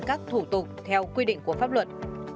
các thủ tục theo quy định của pháp luật